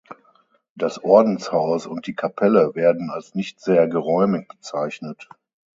Das Ordenshaus und die Kapelle werden als nicht sehr geräumig bezeichnet.